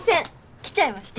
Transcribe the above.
来ちゃいました！